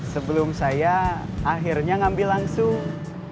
sebelum saya akhirnya ngambil langsung